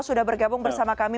sudah bergabung bersama kami